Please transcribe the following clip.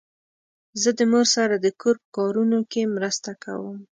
زه د مور سره د کور په کارونو کې مرسته کوم.